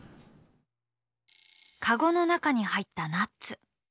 籠の中に入ったナッツ。